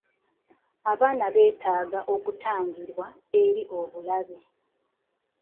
Abaana beetaaga okutangirwa eri obulabe.